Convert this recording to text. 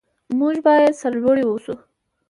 موږ باید سرلوړي اوسو.